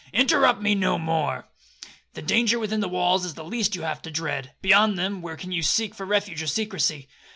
'—'Interrupt me no more,—the danger within the walls is the least you have to dread, beyond them, where can you seek for refuge or secrecy?